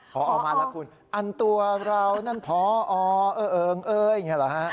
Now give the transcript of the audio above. ผอมาแล้วคุณอันตัวเรานั้นผอเอ่อเอ่อเอ่ออย่างนี้หรือฮะ